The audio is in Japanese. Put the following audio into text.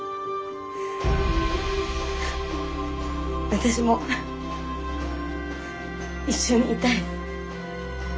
私も一緒にいたい。